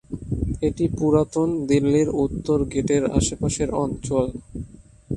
এটি পুরাতন দিল্লির উত্তর গেটের আশেপাশের অঞ্চল।